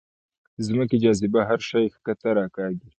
د ځمکې جاذبه هر شی ښکته راکاږي.